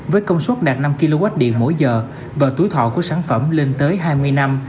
với công suất đạt năm kwh mỗi giờ và túi thọ của sản phẩm lên tới hai mươi năm